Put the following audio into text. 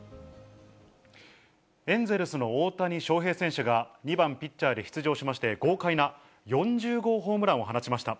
エンゼルスの大谷翔平選手が、２番ピッチャーで出場しまして、豪快な４０号ホームランを放ちました。